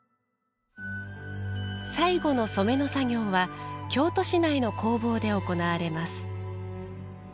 最後の染めの作業は京都市内の工房で行われます。